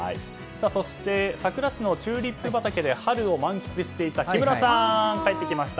そして、佐倉市のチューリップ畑で春を満喫していた木村さんが帰ってきました。